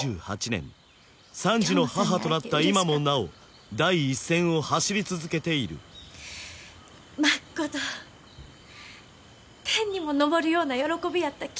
２８年３児の母となった今もなお第一線を走り続けているまっこと天にも昇るような喜びやっ